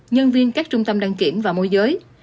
nhân viên các trung tâm đăng kiểm và môi giới